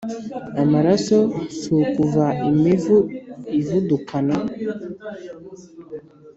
Amaraso si ukuva imivu ivudukana